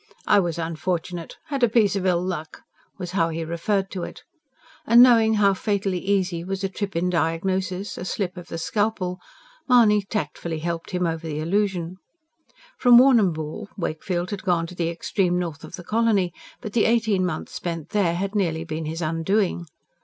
"I was unfortunate ... had a piece of ill luck," was how he referred to it. And knowing how fatally easy was a trip in diagnosis, a slip of the scalpel, Mahony tactfully helped him over the allusion. From Warrnambool Wakefield had gone to the extreme north of the colony; but the eighteen months spent there had nearly been his undoing.